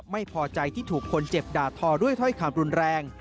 ไม่พอใจที่ถูกคนเจ็บด่าทอด้วยถ้อยคำรุนแรง